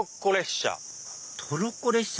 「トロッコ列車」。